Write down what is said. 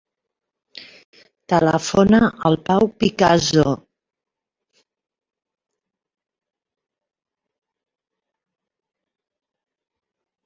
Telefona al Pau Picazo.